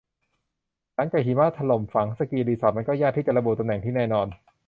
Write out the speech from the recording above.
หลังจากหิมะถล่มฝังสกีรีสอร์ทมันก็ยากที่จะระบุตำแหน่งที่แน่นอน